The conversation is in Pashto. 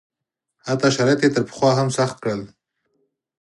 حتی شرایط یې تر پخوا هم سخت کړل.